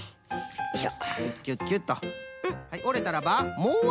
よいしょ。